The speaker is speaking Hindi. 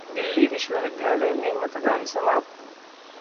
दिल्ली विश्वविद्यालय में मतदान समाप्त